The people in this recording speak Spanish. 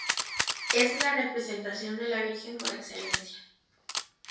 Es la representación de La Virgen por excelencia.